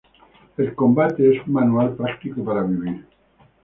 El "Combate" es un manual práctico para vivir.